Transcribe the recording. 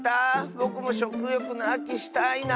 ぼくもしょくよくのあきしたいなあ。